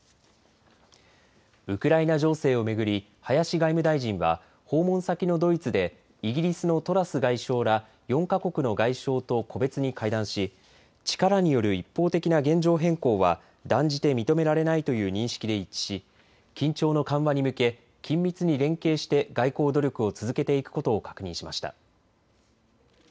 ウクライナ情勢を巡り林外務大臣は訪問先のドイツでイギリスのトラス外相ら４か国の外相と個別に会談し力による一方的な現状変更は断じて認められないという認識で一致し緊張の緩和に向け緊密に連携して外交努力を続けていくことを確認しました。